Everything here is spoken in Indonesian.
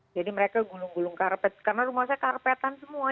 mereka gulung gulung karpet karena rumah saya karpetan semua